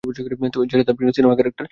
যেটা তার প্রিয় সিনেমা-ক্যারেক্টর ছিলো।